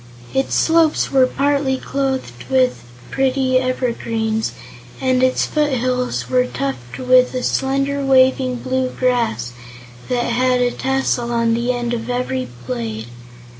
Its slopes were partly clothed with pretty evergreens, and its foot hills were tufted with a slender waving bluegrass that had a tassel on the end of every blade.